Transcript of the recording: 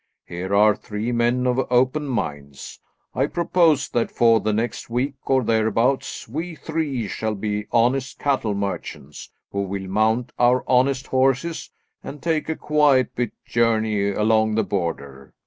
Here are three men of open minds. I propose that for the next week, or thereabouts, we three shall be honest cattle merchants, who will mount our honest horses and take a quiet bit journey along the Border.